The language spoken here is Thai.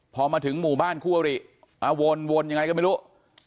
พอมาถึงหมู่บ้านคู่อาวุธิอ่ะวนวนยังไงก็ไม่รู้